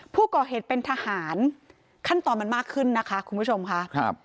ผู้ก่อเหตุเป็นทหารขั้นตอนมันมากขึ้นนะคะคุณผู้ชมค่ะครับ